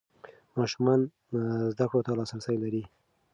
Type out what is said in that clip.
ماشومان زده کړو ته لاسرسی لري.